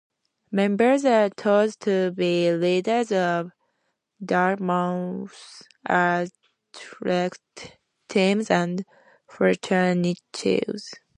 Members are thought to be leaders of Dartmouth's athletic teams and fraternities.